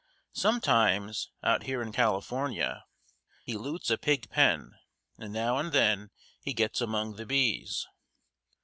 Sometimes, out here in California, he loots a pig pen, and now and then he gets among the bees.